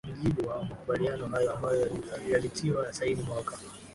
kwa mujibu wa makubaliano hayo ambayo yalitiwa saini mwaka